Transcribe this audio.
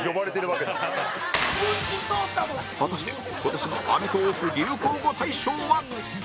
果たして、今年のアメトーーク流行語大賞は？